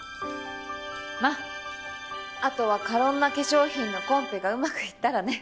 まっあとはカロンナ化粧品のコンペがうまくいったらね。